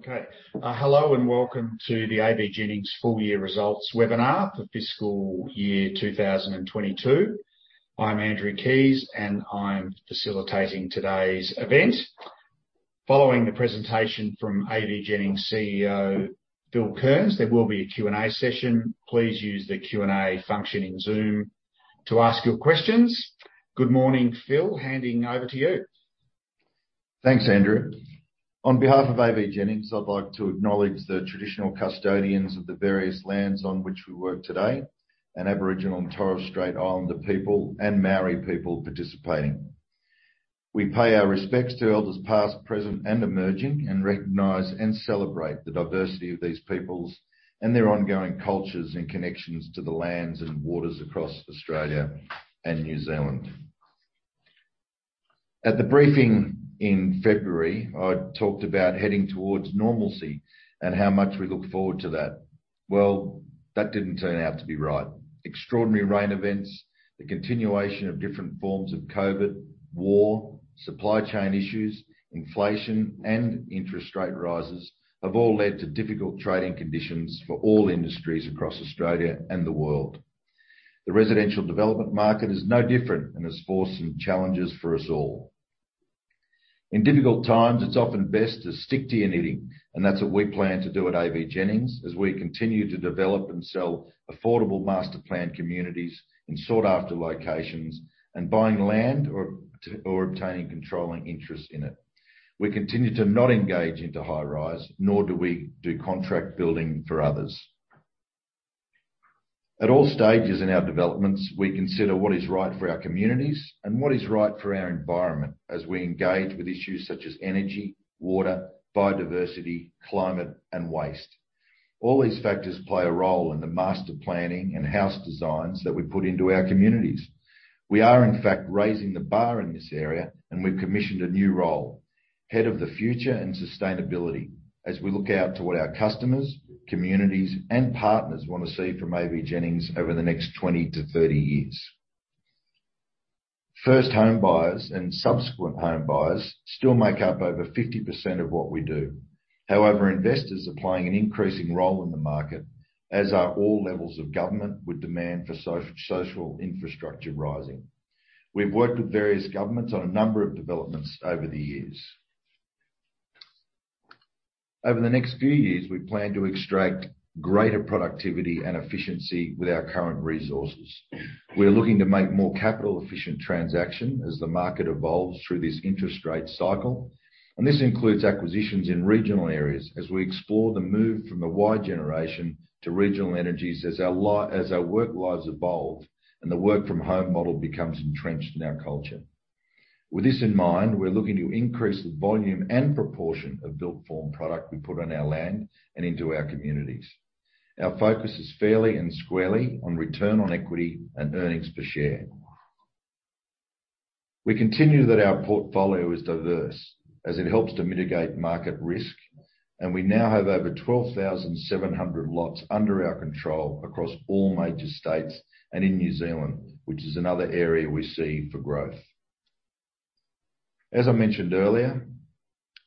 Okay. Hello, and welcome to the AVJennings full year results webinar for fiscal year 2022. I'm Andrew Keys, and I'm facilitating today's event. Following the presentation from AVJennings CEO, Phil Kearns, there will be a Q&A session. Please use the Q&A function in Zoom to ask your questions. Good morning, Phil. Handing over to you. Thanks, Andrew. On behalf of AVJennings, I'd like to acknowledge the traditional custodians of the various lands on which we work today and Aboriginal and Torres Strait Islander people and Māori people participating. We pay our respects to Elders past, present, and emerging, and recognize and celebrate the diversity of these peoples and their ongoing cultures and connections to the lands and waters across Australia and New Zealand. At the briefing in February, I talked about heading towards normalcy and how much we look forward to that. Well, that didn't turn out to be right. Extraordinary rain events, the continuation of different forms of COVID, war, supply chain issues, inflation, and interest rate rises have all led to difficult trading conditions for all industries across Australia and the world. The residential development market is no different and has forced some challenges for us all. In difficult times, it's often best to stick to your knitting, and that's what we plan to do at AVJennings as we continue to develop and sell affordable master plan communities in sought after locations and buying land or obtaining controlling interest in it. We continue to not engage into high rise, nor do we do contract building for others. At all stages in our developments, we consider what is right for our communities and what is right for our environment as we engage with issues such as energy, water, biodiversity, climate, and waste. All these factors play a role in the master planning and house designs that we put into our communities. We are in fact raising the bar in this area, and we've commissioned a new role, head of the future and sustainability, as we look out to what our customers, communities, and partners wanna see from AVJennings over the next 20-30 years. First home buyers and subsequent home buyers still make up over 50% of what we do. However, investors are playing an increasing role in the market, as are all levels of government with demand for social infrastructure rising. We've worked with various governments on a number of developments over the years. Over the next few years, we plan to extract greater productivity and efficiency with our current resources. We're looking to make more capital efficient transactions as the market evolves through this interest rate cycle, and this includes acquisitions in regional areas as we explore the move from the Y generation to regional amenities as our work lives evolve and the work from home model becomes entrenched in our culture. With this in mind, we're looking to increase the volume and proportion of built form product we put on our land and into our communities. Our focus is fairly and squarely on return on equity and earnings per share. We contend that our portfolio is diverse as it helps to mitigate market risk, and we now have over 12,700 lots under our control across all major states and in New Zealand, which is another area we see for growth. As I mentioned earlier,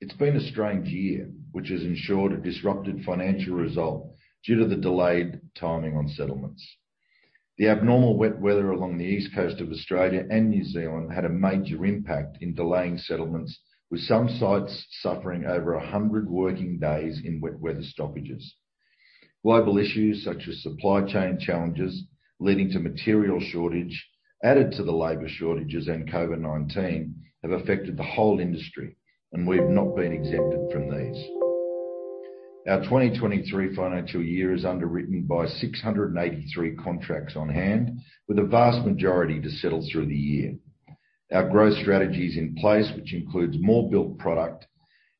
it's been a strange year, which has ensured a disrupted financial result due to the delayed timing on settlements. The abnormal wet weather along the east coast of Australia and New Zealand had a major impact in delaying settlements, with some sites suffering over 100 working days in wet weather stoppages. Global issues such as supply chain challenges leading to material shortage added to the labor shortages and COVID-19 have affected the whole industry, and we've not been exempted from these. Our 2023 financial year is underwritten by 683 contracts on hand, with the vast majority to settle through the year. Our growth strategy is in place, which includes more built product,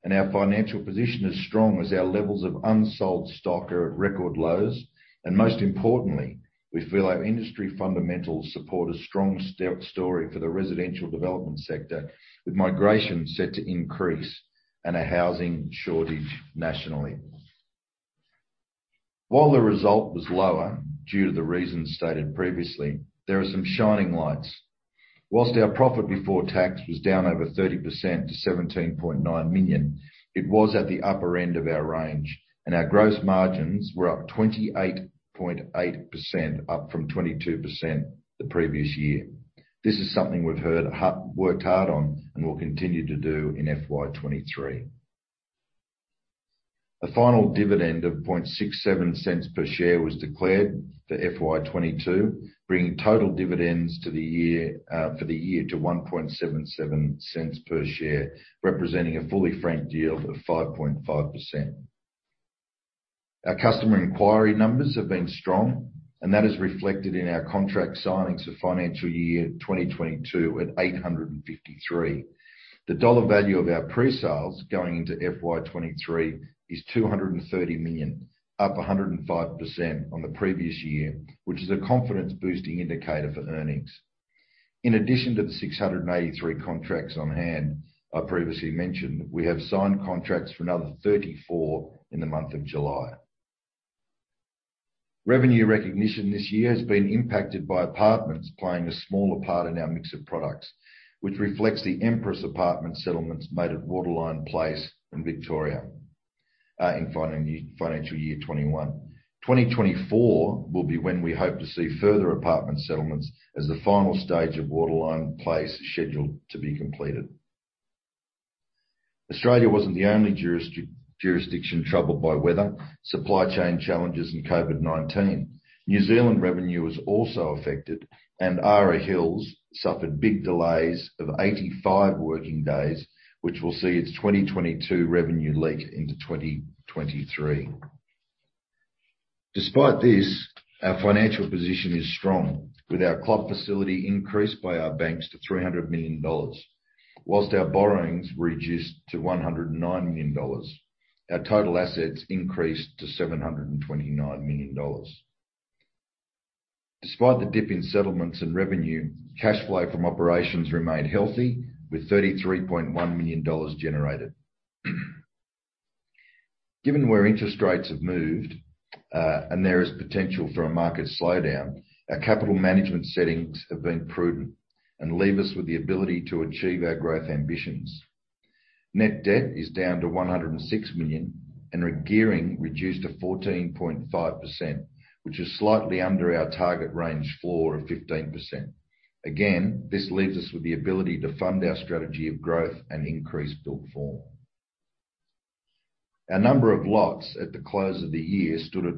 and our financial position is strong as our levels of unsold stock are at record lows. Most importantly, we feel our industry fundamentals support a strong story for the residential development sector, with migration set to increase and a housing shortage nationally. While the result was lower, due to the reasons stated previously, there are some shining lights. While our profit before tax was down over 30% to 17.9 million, it was at the upper end of our range, and our gross margins were up 28.8%, up from 22% the previous year. This is something we've worked hard on and will continue to do in FY 2023. The final dividend of 0.67 per share was declared for FY 2022, bringing the total dividends for the year to 1.77 per share, representing a fully franked yield of 5.5%. Our customer inquiry numbers have been strong, and that is reflected in our contract signings for FY 2022 at 853. The value of our pre-sales going into FY 2023 is 230 million, up 105% on the previous year, which is a confidence-boosting indicator for earnings. In addition to the 683 contracts on hand I previously mentioned, we have signed contracts for another 34 in the month of July. Revenue recognition this year has been impacted by apartments playing a smaller part in our mix of products, which reflects the Empress Apartments settlements made at Waterline Place in Victoria in FY 2021. 2024 will be when we hope to see further apartment settlements as the final stage of Waterline Place is scheduled to be completed. Australia wasn't the only jurisdiction troubled by weather, supply chain challenges and COVID-19. New Zealand revenue was also affected, and Ara Hills suffered big delays of 85 working days, which will see its 2022 revenue leak into 2023. Despite this, our financial position is strong, with our club facility increased by our banks to 300 million dollars. While our borrowings reduced to 109 million dollars, our total assets increased to 729 million dollars. Despite the dip in settlements and revenue, cash flow from operations remained healthy, with 33.1 million dollars generated. Given where interest rates have moved, and there is potential for a market slowdown, our capital management settings have been prudent and leave us with the ability to achieve our growth ambitions. Net debt is down to 106 million, and our gearing reduced to 14.5%, which is slightly under our target range floor of 15%. This leaves us with the ability to fund our strategy of growth and increase built form. Our number of lots at the close of the year stood at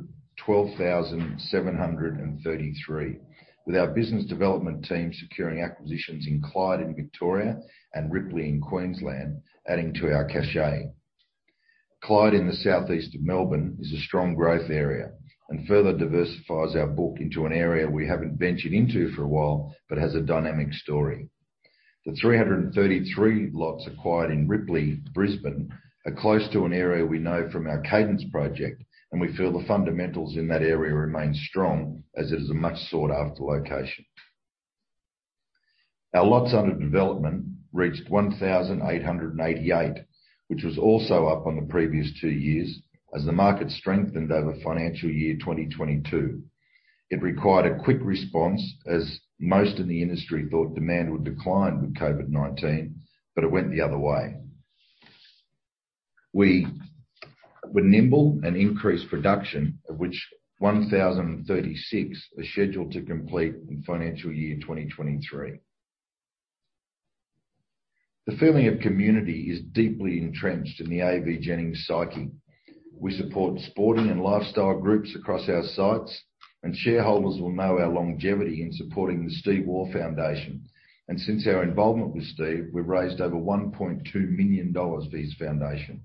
12,733, with our business development team securing acquisitions in Clyde in Victoria and Ripley in Queensland, adding to our Cadence. Clyde, in the southeast of Melbourne, is a strong growth area and further diversifies our book into an area we haven't ventured into for a while, but has a dynamic story. The 333 lots acquired in Ripley, Brisbane, are close to an area we know from our Cadence project, and we feel the fundamentals in that area remain strong as it is a much sought-after location. Our lots under development reached 1,888, which was also up on the previous two years as the market strengthened over financial year 2022. It required a quick response as most in the industry thought demand would decline with COVID-19, but it went the other way. We were nimble and increased production, of which 1,036 are scheduled to complete in financial year 2023. The feeling of community is deeply entrenched in the AVJennings psyche. We support sporting and lifestyle groups across our sites, and shareholders will know our longevity in supporting the Steve Waugh Foundation. Since our involvement with Steve, we've raised over 1.2 million dollars for his foundation.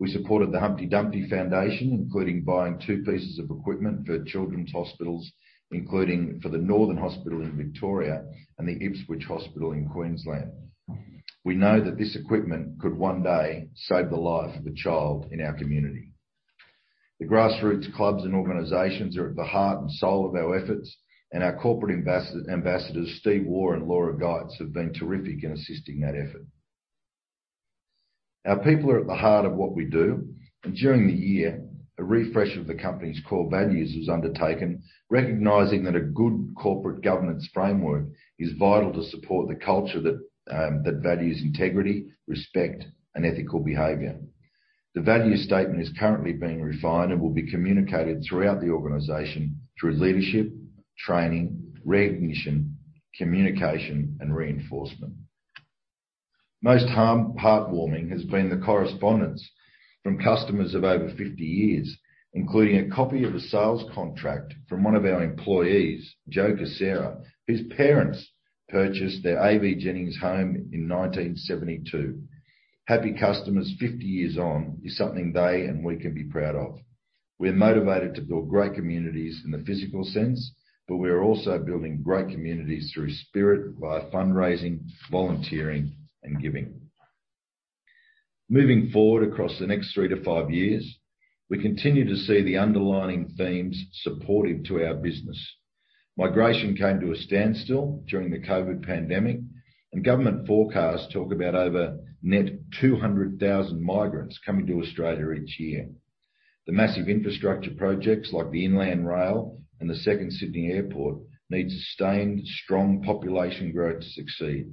We supported the Humpty Dumpty Foundation, including buying two pieces of equipment for children's hospitals, including for the Northern Hospital in Victoria and the Ipswich Hospital in Queensland. We know that this equipment could one day save the life of a child in our community. The grassroots clubs and organizations are at the heart and soul of our efforts, and our corporate ambassadors, Steve Waugh and Laura Geitz, have been terrific in assisting that effort. Our people are at the heart of what we do, and during the year, a refresh of the company's core values was undertaken, recognizing that a good corporate governance framework is vital to support the culture that values integrity, respect, and ethical behavior. The value statement is currently being refined and will be communicated throughout the organization through leadership, training, recognition, communication, and reinforcement. Most heartwarming has been the correspondence from customers of over 50 years, including a copy of a sales contract from one of our employees, Joe Casera, whose parents purchased their AVJennings home in 1972. Happy customers 50 years on is something they and we can be proud of. We're motivated to build great communities in the physical sense, but we are also building great communities through spirit via fundraising, volunteering, and giving. Moving forward across the next three to five years, we continue to see the underlying themes supportive to our business. Migration came to a standstill during the COVID pandemic, and government forecasts talk about over net 200,000 migrants coming to Australia each year. The massive infrastructure projects like the Inland Rail and the second Sydney Airport need sustained, strong population growth to succeed.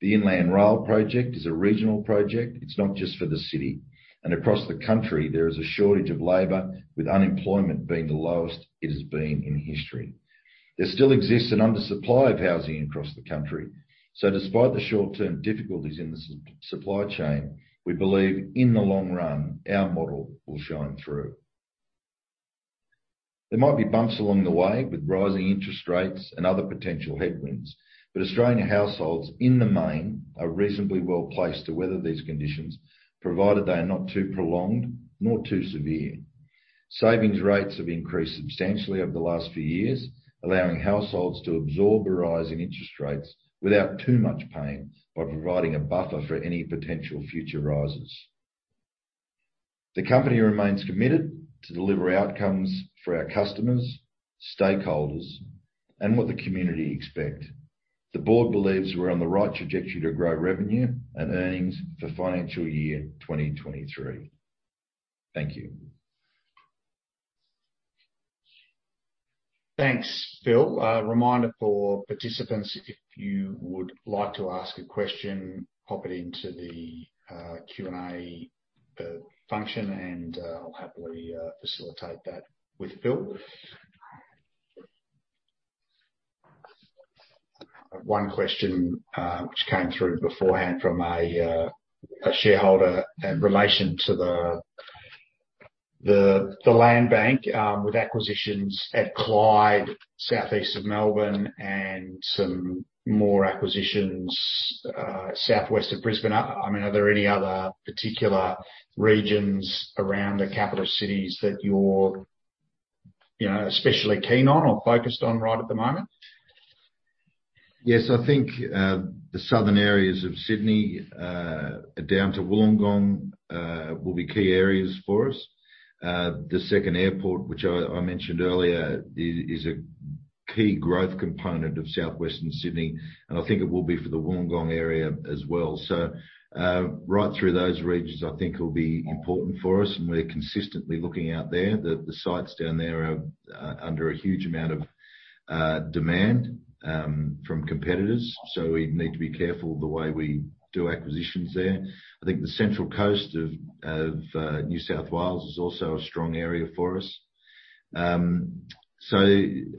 The Inland Rail project is a regional project. It's not just for the city. Across the country, there is a shortage of labor, with unemployment being the lowest it has been in history. There still exists an undersupply of housing across the country. Despite the short-term difficulties in the supply chain, we believe in the long run, our model will shine through. There might be bumps along the way with rising interest rates and other potential headwinds, but Australian households, in the main, are reasonably well-placed to weather these conditions, provided they are not too prolonged nor too severe. Savings rates have increased substantially over the last few years, allowing households to absorb a rise in interest rates without too much pain by providing a buffer for any potential future rises. The company remains committed to deliver outcomes for our customers, stakeholders, and what the community expect. The Board believes we're on the right trajectory to grow revenue and earnings for financial year 2023. Thank you. Thanks, Phil. Reminder for participants, if you would like to ask a question, pop it into the Q&A function, and I'll happily facilitate that with Phil. One question which came through beforehand from a shareholder in relation to the land bank with acquisitions at Clyde, southeast of Melbourne and some more acquisitions southwest of Brisbane. I mean, are there any other particular regions around the capital cities that you're, you know, especially keen on or focused on right at the moment? Yes. I think the southern areas of Sydney down to Wollongong will be key areas for us. The second airport, which I mentioned earlier, is a key growth component of southwestern Sydney, and I think it will be for the Wollongong area as well. Right through those regions I think will be important for us, and we're consistently looking out there. The sites down there are under a huge amount of demand from competitors, so we need to be careful the way we do acquisitions there. I think the Central Coast of New South Wales is also a strong area for us. I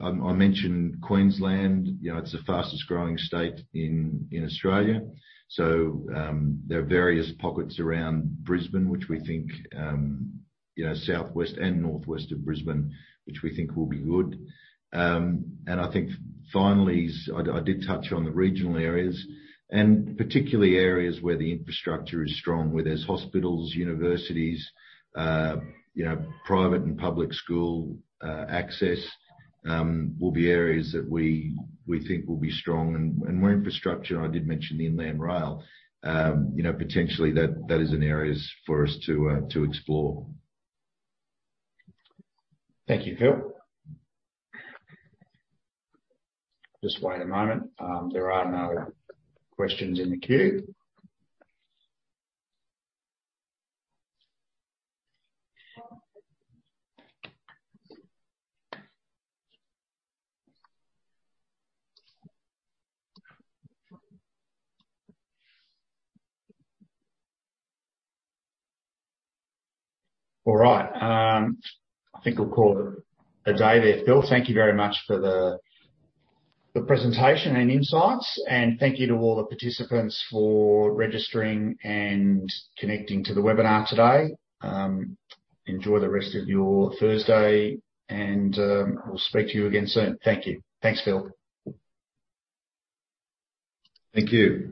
mentioned Queensland, you know, it's the fastest growing state in Australia. There are various pockets around Brisbane, which we think, you know, southwest and northwest of Brisbane, which we think will be good. I think finally I did touch on the regional areas, and particularly areas where the infrastructure is strong, where there's hospitals, universities, you know, private and public schools, access, will be areas that we think will be strong. Where infrastructure, I did mention the Inland Rail, you know, potentially that is an area for us to explore. Thank you, Phil. Just wait a moment. There are no questions in the queue. All right. I think we'll call it a day there, Phil. Thank you very much for the presentation and insights, and thank you to all the participants for registering and connecting to the webinar today. Enjoy the rest of your Thursday and we'll speak to you again soon. Thank you. Thanks, Phil. Thank you.